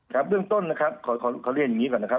ครับเบื้องต้นนะครับขอเรียนอย่างนี้ก่อนนะครับ